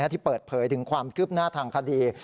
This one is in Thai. ที่เปิดเผยถึงความคืบหน้าทางคดี